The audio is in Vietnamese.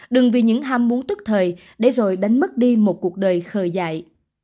đừng vì những ham muốn tức thời để rồi đánh mất đi một cuộc đời khờ dại